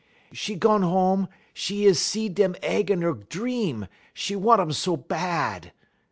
'E gone home; 'e is see dem aig in 'e dream, 'e want um so bahd.